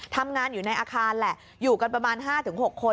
ทำงานอยู่ในอาคารแหละอยู่กันประมาณ๕๖คน